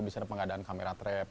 misalnya pengadaan kamera trap